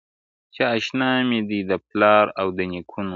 چي آشنا مي دی د پلار او د نیکونو -